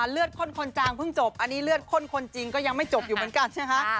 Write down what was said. ข้นคนจางเพิ่งจบอันนี้เลือดข้นคนจริงก็ยังไม่จบอยู่เหมือนกันใช่ไหมคะ